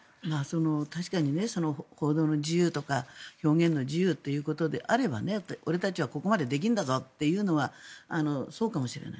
確かに報道の自由とか表現の自由ということであれば俺たちはここまでできるんだぞというのはそうかもしれない。